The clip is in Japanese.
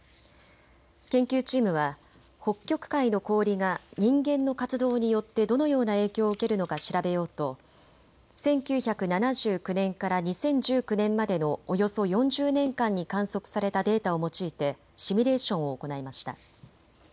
研究チームは北極海の氷が人間の活動によってどのような影響を受けるのか調べようと１９７９年から２０１９年までのおよそ４０年間に観測されたデータを用いてシミュレーションを行いました。